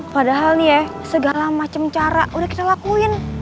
padahal nih ya segala macam cara udah kita lakuin